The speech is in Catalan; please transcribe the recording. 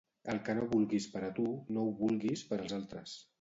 El que no vulguis per a tu no ho vulguis per als altres